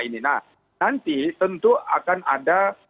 nanti tentu akan ada